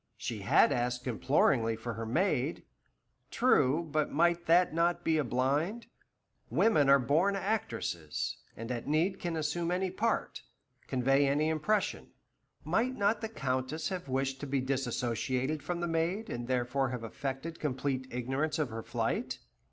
She had asked imploringly for her maid. True, but might that not be a blind? Women are born actresses, and at need can assume any part, convey any impression. Might not the Countess have wished to be dissociated from the maid, and therefore have affected complete ignorance of her flight?